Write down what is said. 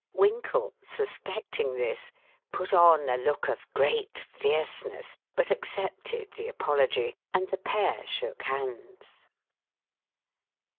Winkle, suspecting this, put on a look of great fierceness but accepted the apology, and the pair shook hands.